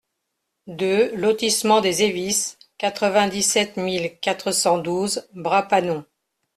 deux lotissement les Evis, quatre-vingt-dix-sept mille quatre cent douze Bras-Panon